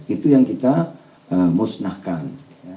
itu yang kita musnahkan